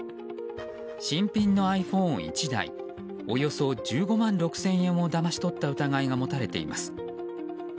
新品のｉＰｈｏｎｅ１台およそ１５万６０００円をだまし取った疑いが持たれています。